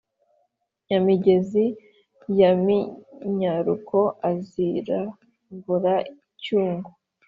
Nyamigezi ya Minyaruko aziramvura i Cyungo